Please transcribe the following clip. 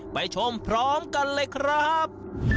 ไปชมพร้อมกันเลยครับ